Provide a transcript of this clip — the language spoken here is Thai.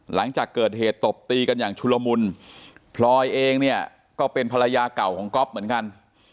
หลังจากเกิดเหตุตบตีกันอย่างชุลมุนพลอยเองเนี่ยก็เป็นภรรยาเก่าของก๊อฟเหมือนกัน